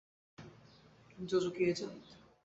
JoJo কি agent?